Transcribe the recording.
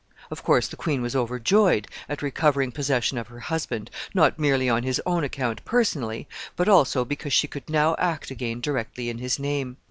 Of course, the queen was overjoyed at recovering possession of her husband, not merely on his own account personally, but also because she could now act again directly in his name.